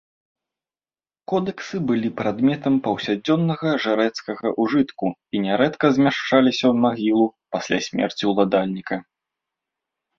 Кодэксы былі прадметам паўсядзённага жрэцкага ўжытку і нярэдка змяшчаліся ў магілу пасля смерці ўладальніка.